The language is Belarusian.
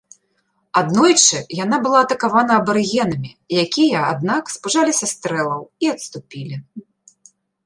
Аднойчы яна была атакавана абарыгенамі, якія, аднак, спужаліся стрэлаў і адступілі.